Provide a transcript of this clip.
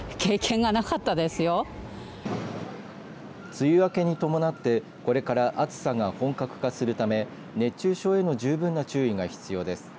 梅雨明けに伴ってこれから暑さが本格化するため熱中症への十分な注意が必要です。